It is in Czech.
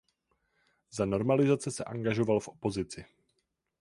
Za normalizace se angažoval v opozici.